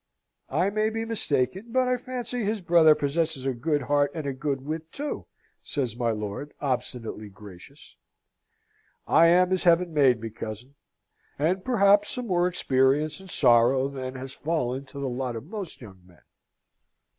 "I may be mistaken, but I fancy his brother possesses a good heart and a good wit, too!" says my lord, obstinately gracious. "I am as Heaven made me, cousin; and perhaps some more experience and sorrow than has fallen to the lot of most young men."